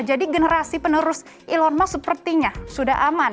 jadi generasi penerus elon musk sepertinya sudah aman